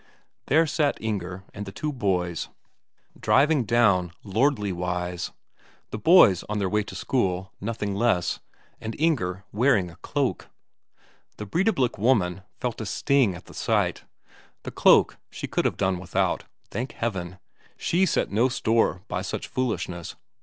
There sat Inger and the two boys, driving down lordly wise the boys on their way to school, nothing less, and Inger wearing a cloak. The Breidablik woman felt a sting at the sight; the cloak she could have done without thank heaven, she set no store by such foolishness!